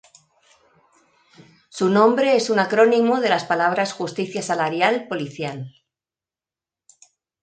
Su nombre es un acrónimo de las palabras Justicia Salarial Policial.